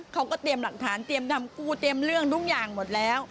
เขาก็เตรียมหลักฐานเตรียมทำกู้เตรียมเรื่องทุกอย่างหมดแล้ว